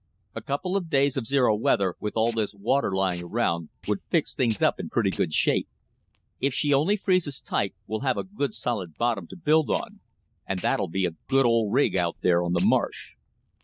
A couple of days of zero weather, with all this water lying around, would fix things up in pretty good shape. If she only freezes tight, we'll have a good solid bottom to build on, and that'll be quite a good rig out there on the marsh."